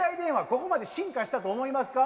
ここまで進化したと思いますか？